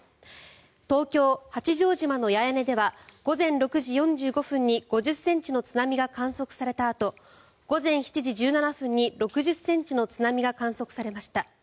東京・八丈島の八重根では午前６時４５分に５０ｃｍの津波が観測されたあと午前７時１７分に６０ｃｍの津波が観測されました。